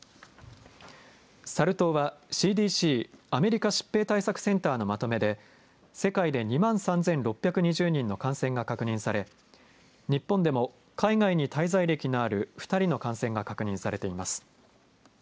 サル痘はＣＤＣ・アメリカ疾病対策センターのまとめで世界で２万３６２０人の感染が確認され日本でも海外に滞在歴のある２人の感染が確認されています。